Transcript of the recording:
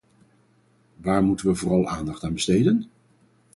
Waar moeten we vooral aandacht aan besteden?